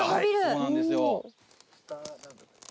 そうなんですよ。